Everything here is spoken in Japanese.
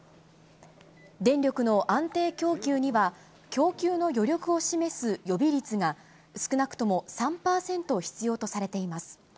電力の安定供給には、供給の余力を示す予備率が、少なくとも３％必要とされています。